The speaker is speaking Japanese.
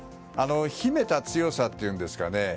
秘めた強さというんですかね